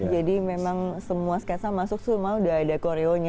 jadi memang semua sketsa masuk semua udah ada koreonya